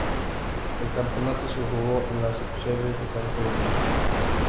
El campeonato se jugó en la subsede de Santo Domingo.